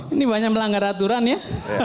ini banyak melanggar aturan ya